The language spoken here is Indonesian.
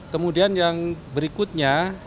kemudian yang berikutnya